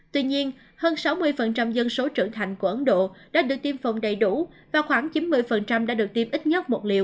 tuy nhiên hơn sáu mươi dân số trưởng thành của ấn độ đã được tiêm phòng đầy đủ và khoảng chín mươi đã được tiêm ít nhất một liều